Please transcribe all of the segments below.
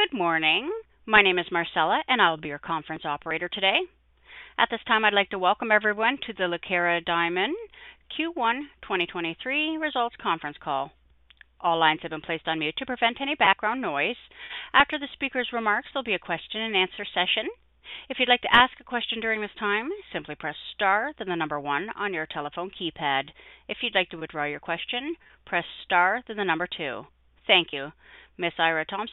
Good morning. My name is Marcella. I will be your conference operator today. At this time, I'd like to welcome everyone to the Lucara Diamond Q1 2023 results conference call. All lines have been placed on mute to prevent any background noise. After the speaker's remarks, there'll be a question and answer session. If you'd like to ask a question during this time, simply press star, then the number one on your telephone keypad. If you'd like to withdraw your question, press star, then the number two. Thank you. Ms. Eira Thomas,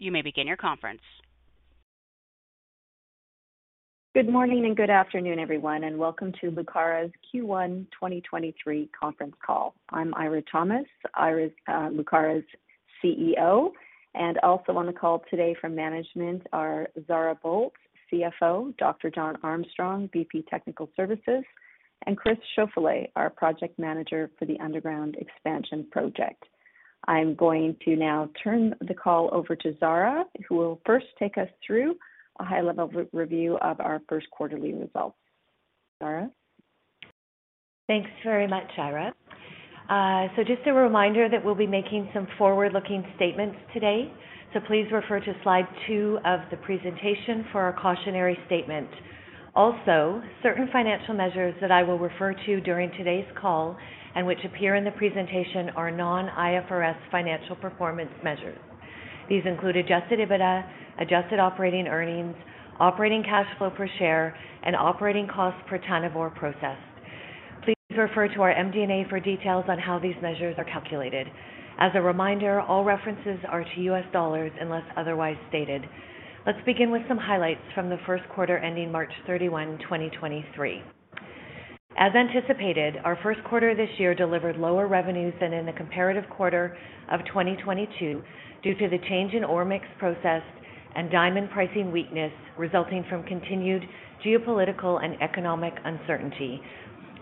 you may begin your conference. Good morning and good afternoon, everyone, and welcome to Lucara's Q1 2023 conference call. I'm Eira Thomas, Lucara's CEO, and also on the call today from management are Zara Boldt, CFO, Dr. John Armstrong, VP Technical Services, and Chris Schauffele, our Project Manager for the underground expansion project. I'm going to now turn the call over to Zara, who will first take us through a high-level re-review of our first quarterly results. Zara? Thanks very much, Eira. Just a reminder that we'll be making some forward-looking statements today, please refer to slide two of the presentation for our cautionary statement. Certain financial measures that I will refer to during today's call and which appear in the presentation are non-IFRS financial performance measures. These include Adjusted EBITDA, Adjusted operating earnings, operating cash flow per share, and operating costs per ton of ore processed. Please refer to our MD&A for details on how these measures are calculated. All references are to U.S. dollars unless otherwise stated. Let's begin with some highlights from the first quarter ending March 31, 2023. As anticipated, our first quarter this year delivered lower revenues than in the comparative quarter of 2022 due to the change in ore mix processed and diamond pricing weakness resulting from continued geopolitical and economic uncertainty.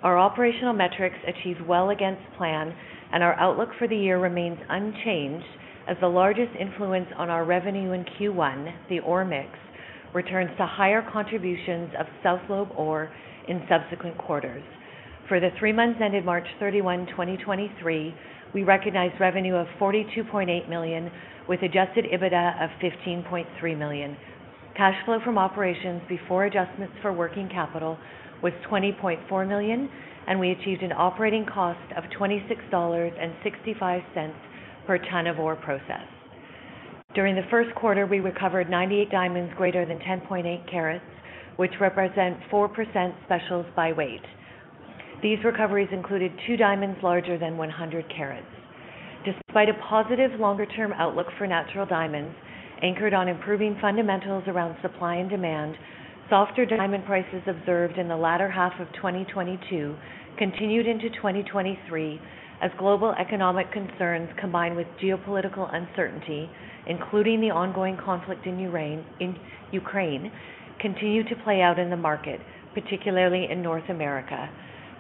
Our operational metrics achieved well against plan, and our outlook for the year remains unchanged as the largest influence on our revenue in Q1, the ore mix, returns to higher contributions of South Lobe ore in subsequent quarters. For the three months ended March 31, 2023, we recognized revenue of $42.8 million, with Adjusted EBITDA of $15.3 million. Cash flow from operations before adjustments for working capital was $20.4 million, and we achieved an operating cost of $26.65 per ton of ore processed. During the first quarter, we recovered 98 diamonds greater than 10.8 carats, which represent 4% specials by weight. These recoveries included two diamonds larger than 100 carats. Despite a positive longer-term outlook for natural diamonds anchored on improving fundamentals around supply and demand, softer diamond prices observed in the latter half of 2022 continued into 2023 as global economic concerns combined with geopolitical uncertainty, including the ongoing conflict in Ukraine, continue to play out in the market, particularly in North America.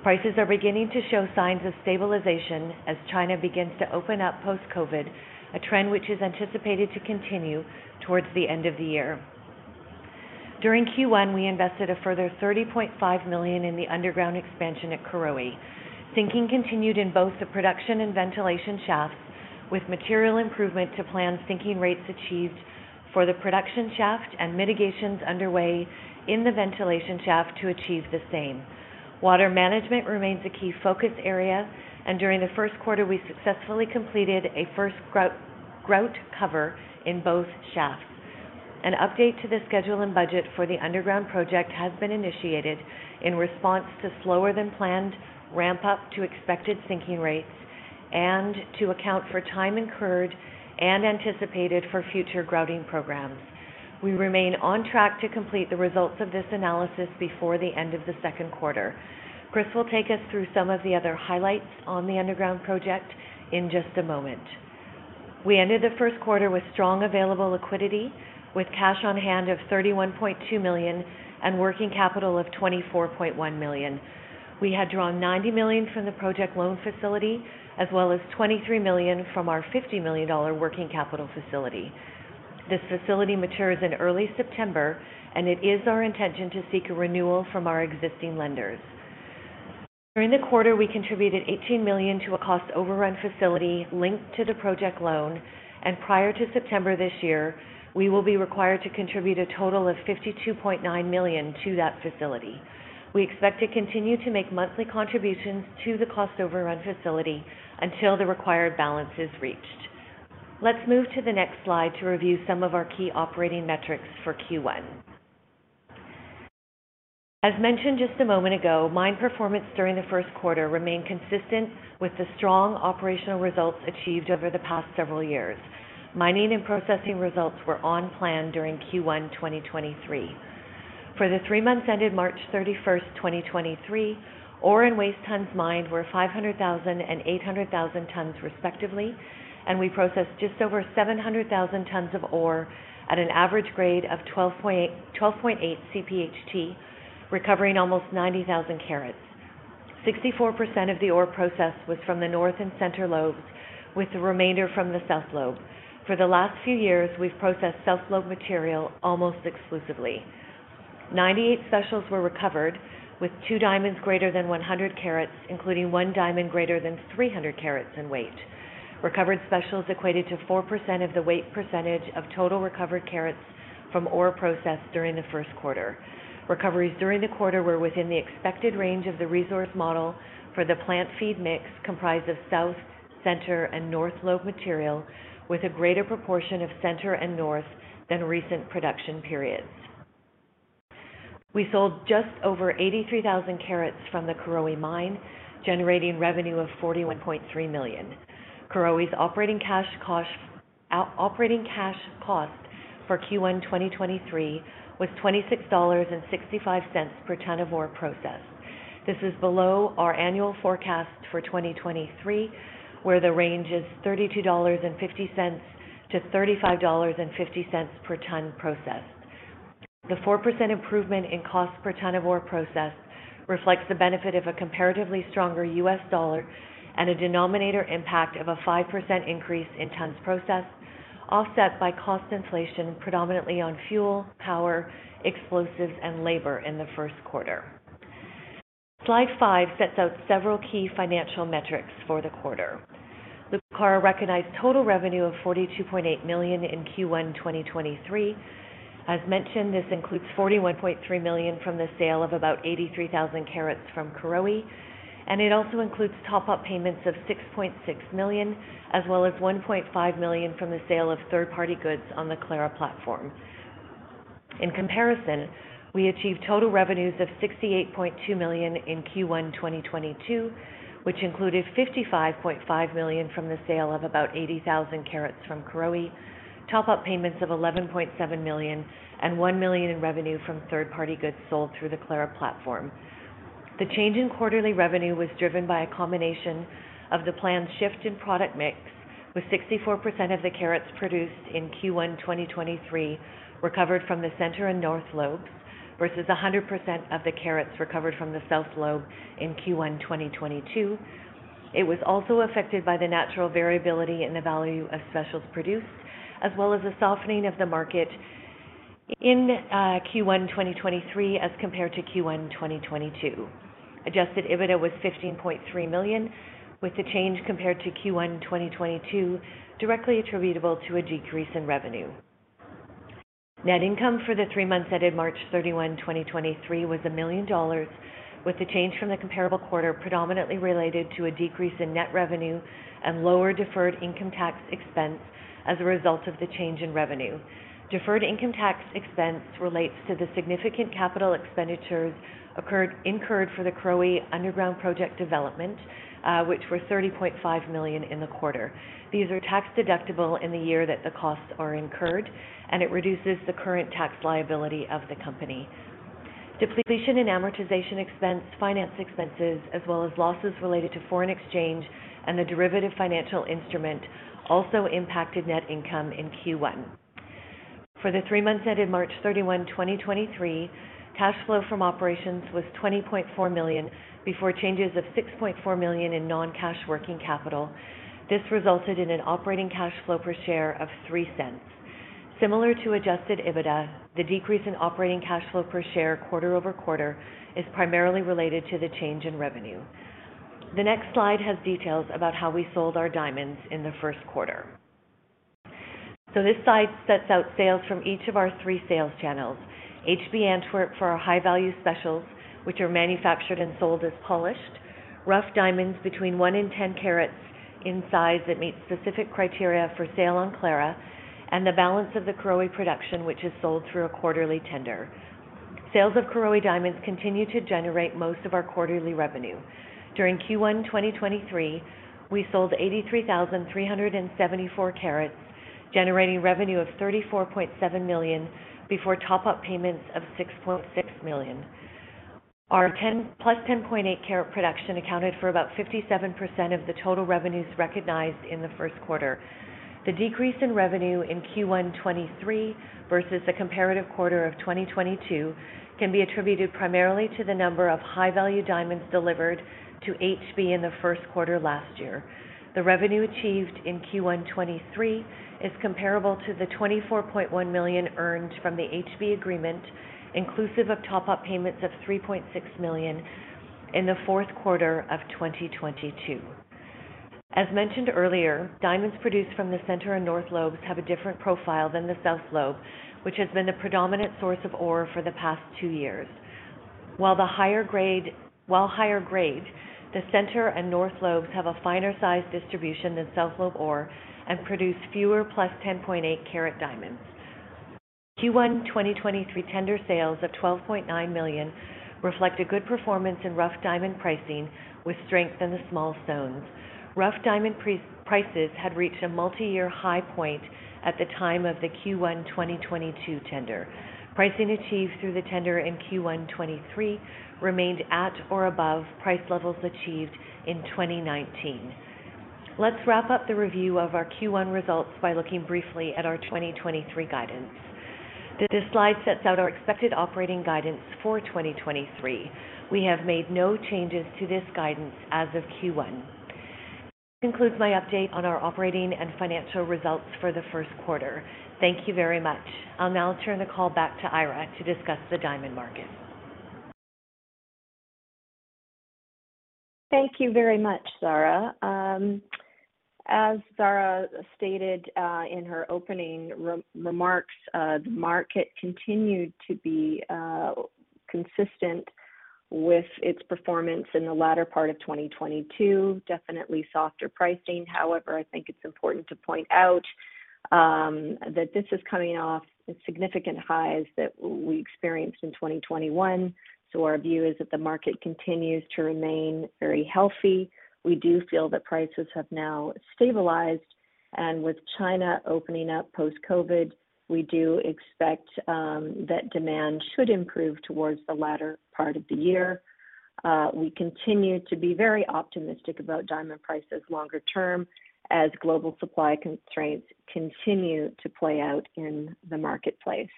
Prices are beginning to show signs of stabilization as China begins to open up post-COVID, a trend which is anticipated to continue towards the end of the year. During Q1, we invested a further $30.5 million in the underground expansion at Karowe. Sinking continued in both the production and ventilation shafts, with material improvement to planned sinking rates achieved for the production shaft and mitigations underway in the ventilation shaft to achieve the same. Water management remains a key focus area. During the first quarter, we successfully completed a first grout cover in both shafts. An update to the schedule and budget for the underground project has been initiated in response to slower than planned ramp up to expected sinking rates and to account for time incurred and anticipated for future grouting programs. We remain on track to complete the results of this analysis before the end of the second quarter. Chris will take us through some of the other highlights on the underground project in just a moment. We ended the first quarter with strong available liquidity, with cash on hand of $31.2 million and working capital of $24.1 million. We had drawn $90 million from the project loan facility as well as $23 million from our $50 million working capital facility. This facility matures in early September, and it is our intention to seek a renewal from our existing lenders. During the quarter, we contributed $18 million to a cost overrun facility linked to the project loan, and prior to September this year, we will be required to contribute a total of $52.9 million to that facility. We expect to continue to make monthly contributions to the cost overrun facility until the required balance is reached. Let's move to the next slide to review some of our key operating metrics for Q1. As mentioned just a moment ago, mine performance during the first quarter remained consistent with the strong operational results achieved over the past several years. Mining and processing results were on plan during Q1 2023. For the three months ended March 31, 2023, ore and waste tons mined were 500,000 and 800,000 tons, respectively, and we processed just over 700,000 tons of ore at an average grade of 12.8 CPHT, recovering almost 90,000 carats. 64% of the ore processed was from the North and Center lobes, with the remainder from the South lobe. For the last few years, we've processed South lobe material almost exclusively. 98 specials were recovered, with two diamonds greater than 100 carats, including one diamond greater than 300 carats in weight. Recovered specials equated to 4% of the weight percentage of total recovered carats from ore processed during the 1st quarter. Recoveries during the quarter were within the expected range of the resource model for the plant feed mix comprised of South, Center, and North lobe material with a greater proportion of Center and North than recent production periods. We sold just over 83,000 carats from the Karowe Mine, generating revenue of $41.3 million. Karowe's operating cash cost for Q1 2023 was $26.65 per ton of ore processed. This is below our annual forecast for 2023, where the range is $32.50-$35.50 per ton processed. The 4% improvement in cost per ton of ore processed reflects the benefit of a comparatively stronger U.S. dollar and a denominator impact of a 5% increase in tons processed, offset by cost inflation predominantly on fuel, power, explosives, and labor in the first quarter. Slide 5 sets out several key financial metrics for the quarter. Lucara recognized total revenue of $42.8 million in Q1 2023. As mentioned, this includes $41.3 million from the sale of about 83,000 carats from Karowe, and it also includes top-up payments of $6.6 million, as well as $1.5 million from the sale of third-party goods on the Clara platform. In comparison, we achieved total revenues of $68.2 million in Q1 2022, which included $55.5 million from the sale of about 80,000 carats from Karowe, top-up payments of $11.7 million, and $1 million in revenue from third-party goods sold through the Clara platform. The change in quarterly revenue was driven by a combination of the planned shift in product mix, with 64% of the carats produced in Q1 2023 recovered from the Center and North lobes, versus 100% of the carats recovered from the South lobe in Q1 2022. It was also affected by the natural variability in the value of specials produced, as well as the softening of the market in Q1 2023 as compared to Q1 2022. Adjusted EBITDA was $15.3 million, with the change compared to Q1 2022 directly attributable to a decrease in revenue. Net income for the three months ended March 31, 2023 was $1 million, with the change from the comparable quarter predominantly related to a decrease in net revenue and lower deferred income tax expense as a result of the change in revenue. Deferred income tax expense relates to the significant capital expenditures incurred for the Karowe Underground Project development, which were $30.5 million in the quarter. These are tax-deductible in the year that the costs are incurred. It reduces the current tax liability of the company. Depletion and amortization expense, finance expenses, as well as losses related to foreign exchange and the derivative financial instrument also impacted net income in Q1. For the three months ended March 31, 2023, cash flow from operations was $20.4 million before changes of $6.4 million in non-cash working capital. This resulted in an operating cash flow per share of $0.03. Similar to Adjusted EBITDA, the decrease in operating cash flow per share quarter-over-quarter is primarily related to the change in revenue. The next slide has details about how we sold our diamonds in the first quarter. This slide sets out sales from each of our three sales channels. HB Antwerp for our high-value specials, which are manufactured and sold as polished. Rough diamonds between one and 10 carats in size that meet specific criteria for sale on Clara. The balance of the Karowe production, which is sold through a quarterly tender. Sales of Karowe diamonds continue to generate most of our quarterly revenue. During Q1 2023, we sold 83,374 carats, generating revenue of $34.7 million, before top-up payments of $6.6 million. Our +10.8 carat production accounted for about 57% of the total revenues recognized in the first quarter. The decrease in revenue in Q1 2023 versus the comparative quarter of 2022 can be attributed primarily to the number of high-value diamonds delivered to HB in the first quarter last year. The revenue achieved in Q1 2023 is comparable to the $24.1 million earned from the HB agreement, inclusive of top-up payments of $3.6 million in the fourth quarter of 2022. As mentioned earlier, diamonds produced from the Center and North lobes have a different profile than the South lobe, which has been the predominant source of ore for the past two years. While higher grade, the Center and North lobes have a finer size distribution than South lobe ore and produce fewer +10.8 carat diamonds. Q1 2023 tender sales of $12.9 million reflect a good performance in rough diamond pricing with strength in the small stones. Rough diamond prices had reached a multiyear high point at the time of the Q1 2022 tender. Pricing achieved through the tender in Q1 2023 remained at or above price levels achieved in 2019. Let's wrap up the review of our Q1 results by looking briefly at our 2023 guidance. This slide sets out our expected operating guidance for 2023. We have made no changes to this guidance as of Q1. This concludes my update on our operating and financial results for the first quarter. Thank you very much. I'll now turn the call back to Eira to discuss the diamond market. Thank you very much, Zara. As Zara stated, in her opening remarks, the market continued to be consistent with its performance in the latter part of 2022. Definitely softer pricing. However, I think it's important to point out that this is coming off significant highs that we experienced in 2021. Our view is that the market continues to remain very healthy. We do feel that prices have now stabilized, and with China opening up post-COVID, we do expect that demand should improve towards the latter part of the year. We continue to be very optimistic about diamond prices longer term as global supply constraints continue to play out in the marketplace.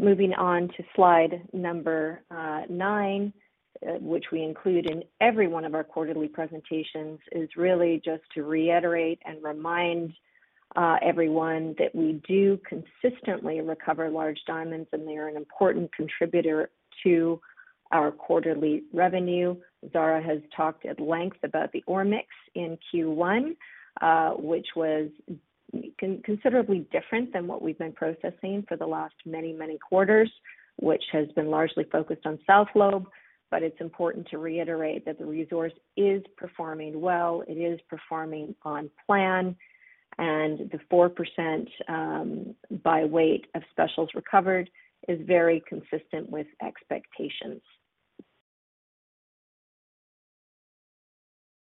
Moving on to slide number nine, which we include in every one of our quarterly presentations, is really just to reiterate and remind everyone that we do consistently recover large diamonds, and they are an important contributor to our quarterly revenue. Zara has talked at length about the ore mix in Q1, which was considerably different than what we've been processing for the last many, many quarters, which has been largely focused on South Lobe. It's important to reiterate that the resource is performing well, it is performing on plan, and the 4% by weight of specials recovered is very consistent with expectations.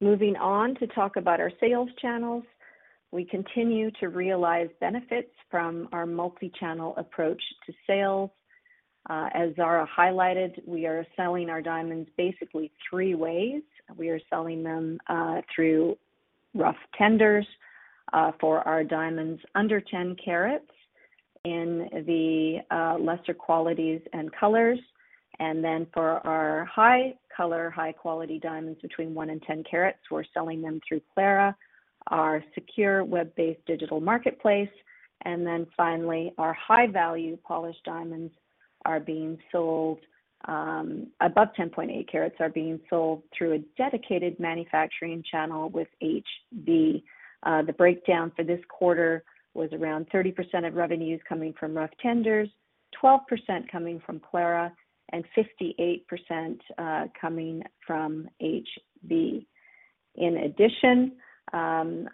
Moving on to talk about our sales channels. We continue to realize benefits from our multi-channel approach to sales. As Zara highlighted, we are selling our diamonds basically three ways. We are selling them through rough tenders for our diamonds under 10 carats in the lesser qualities and colors. For our high color, high-quality diamonds between one and 10 carats, we're selling them through Clara, our secure web-based digital marketplace. Finally, our high-value polished diamonds are being sold above 10.8 carats, are being sold through a dedicated manufacturing channel with HB. The breakdown for this quarter was around 30% of revenues coming from rough tenders, 12% coming from Clara, and 58% coming from HB. In addition,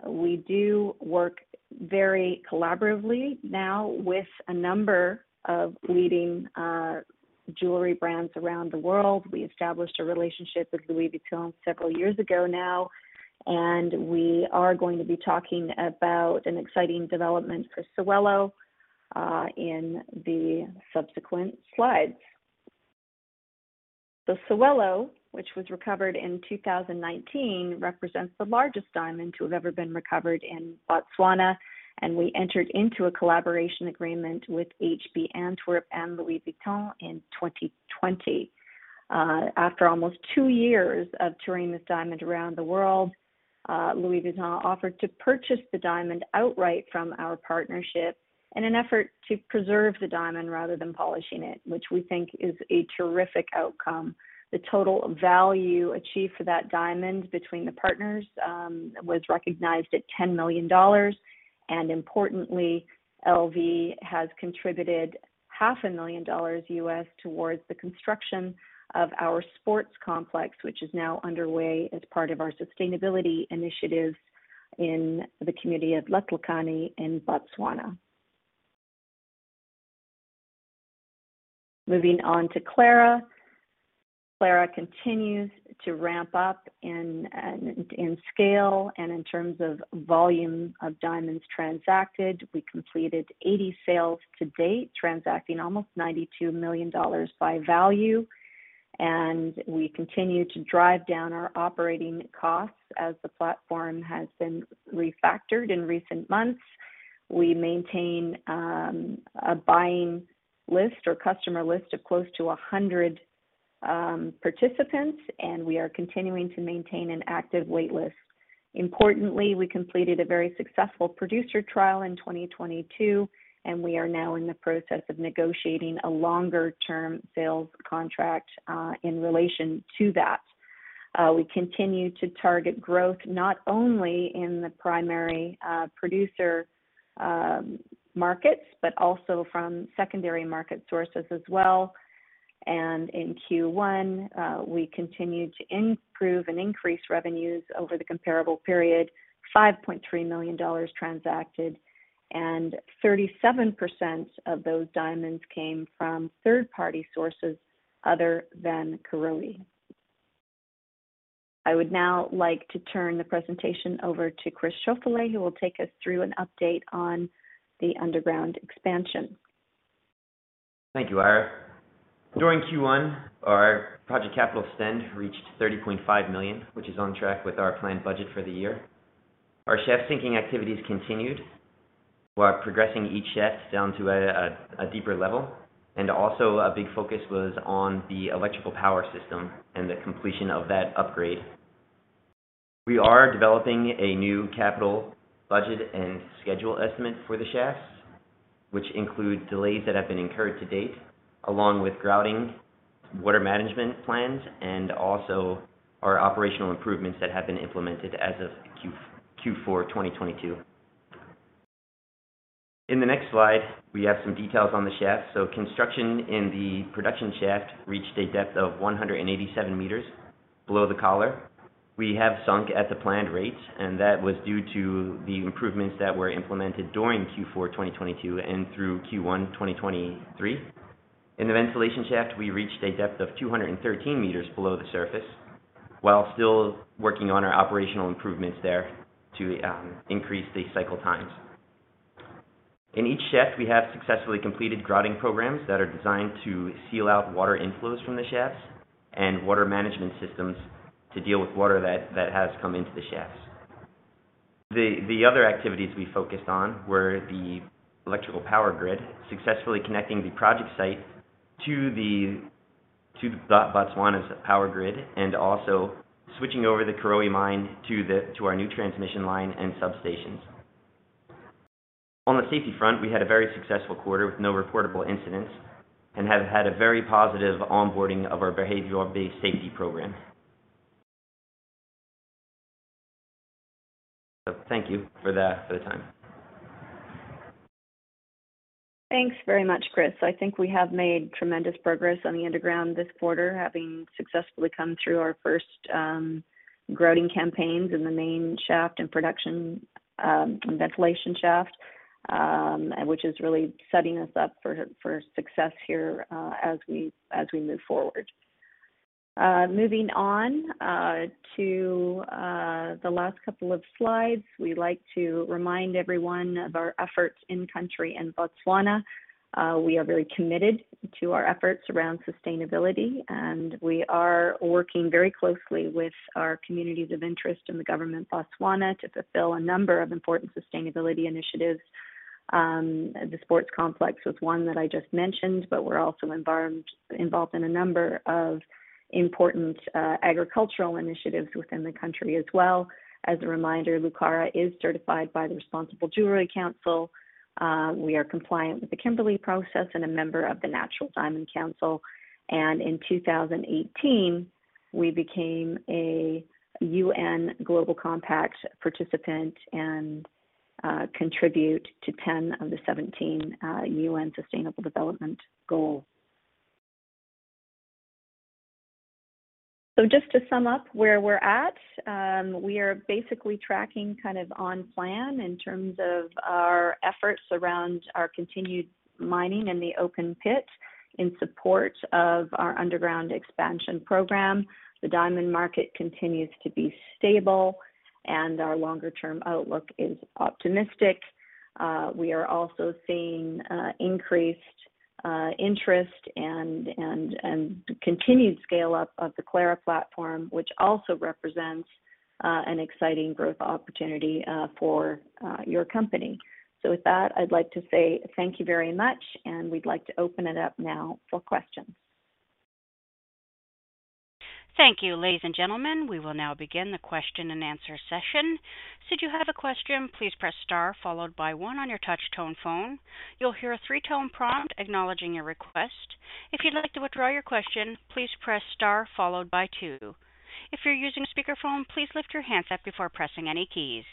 we do work very collaboratively now with a number of leading jewelry brands around the world. We established a relationship with Louis Vuitton several years ago now, and we are going to be talking about an exciting development for Sewelô in the subsequent slides. The Sewelô, which was recovered in 2019, represents the largest diamond to have ever been recovered in Botswana, and we entered into a collaboration agreement with HB Antwerp and Louis Vuitton in 2020. After almost two years of touring this diamond around the world, Louis Vuitton offered to purchase the diamond outright from our partnership in an effort to preserve the diamond rather than polishing it, which we think is a terrific outcome. The total value achieved for that diamond between the partners was recognized at $10 million. Importantly, LV has contributed $500,000 towards the construction of our sports complex, which is now underway as part of our sustainability initiatives in the community of Letlhakane in Botswana. Moving on to Clara. Clara continues to ramp up in scale and in terms of volume of diamonds transacted. We completed 80 sales to date, transacting almost $92 million by value. We continue to drive down our operating costs as the platform has been refactored in recent months. We maintain a buying list or customer list of close to 100 participants, and we are continuing to maintain an active wait list. Importantly, we completed a very successful producer trial in 2022, and we are now in the process of negotiating a longer-term sales contract in relation to that. We continue to target growth not only in the primary producer markets, but also from secondary market sources as well. In Q1, we continued to improve and increase revenues over the comparable period. $5.3 million transacted, and 37% of those diamonds came from third-party sources other than Karowe. I would now like to turn the presentation over to Chris Schauffele, who will take us through an update on the underground expansion. Thank you, Eira. During Q1, our project capital spend reached $30.5 million, which is on track with our planned budget for the year. Our shaft sinking activities continued. We are progressing each shaft down to a deeper level. Also a big focus was on the electrical power system and the completion of that upgrade. We are developing a new capital budget and schedule estimate for the shafts, which include delays that have been incurred to date, along with grouting, water management plans, and also our operational improvements that have been implemented as of Q4 2022. In the next slide, we have some details on the shafts. Construction in the production shaft reached a depth of 187 meters below the collar. We have sunk at the planned rate. That was due to the improvements that were implemented during Q4 2022 and through Q1 2023. In the ventilation shaft, we reached a depth of 213 meters below the surface, while still working on our operational improvements there to increase the cycle times. In each shaft, we have successfully completed grouting programs that are designed to seal out water inflows from the shafts and water management systems to deal with water that has come into the shafts. Other activities we focused on were the electrical power grid, successfully connecting the project site to Botswana's power grid, and also switching over the Karowe Mine to our new transmission line and substations. On the safety front, we had a very successful quarter with no reportable incidents and have had a very positive onboarding of our behavioral-based safety program. Thank you for the time. Thanks very much, Chris. I think we have made tremendous progress on the underground this quarter, having successfully come through our first grouting campaigns in the main shaft and production and ventilation shaft, which is really setting us up for success here, as we move forward. Moving on to the last couple of slides. We like to remind everyone of our efforts in country in Botswana. We are very committed to our efforts around sustainability, and we are working very closely with our communities of interest in the government of Botswana to fulfill a number of important sustainability initiatives. The sports complex was one that I just mentioned, but we're also involved in a number of important agricultural initiatives within the country as well. As a reminder, Lucara is certified by the Responsible Jewellery Council We are compliant with the Kimberley Process and a member of the Natural Diamond Council, and in 2018, we became a UN Global Compact participant and contribute to 10 of the 17 UN Sustainable Development Goals. Just to sum up where we're at, we are basically tracking kind of on plan in terms of our efforts around our continued mining in the open pit in support of our underground expansion program. The diamond market continues to be stable, and our longer-term outlook is optimistic. We are also seeing increased interest and continued scaleup of the Clara platform, which also represents an exciting growth opportunity for your company. With that, I'd like to say thank you very much, and we'd like to open it up now for questions. Thank you. Ladies and gentlemen, we will now begin the question and answer session. Should you have a question, please press star followed by one on your touch tone phone. You'll hear a three-tone prompt acknowledging your request. If you'd like to withdraw your question, please press star followed by two. If you're using a speakerphone, please lift your handset before pressing any keys.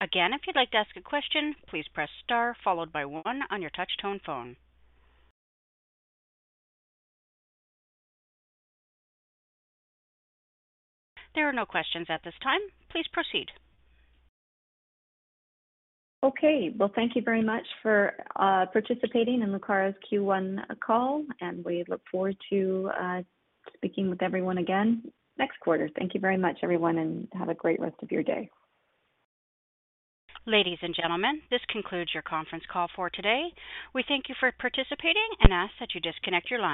Again, if you'd like to ask a question, please press star followed by one on your touch tone phone. There are no questions at this time. Please proceed. Okay. Well, thank you very much for participating in Lucara's Q1 call. We look forward to speaking with everyone again next quarter. Thank you very much, everyone. Have a great rest of your day. Ladies and gentlemen, this concludes your conference call for today. We thank you for participating and ask that you disconnect your lines.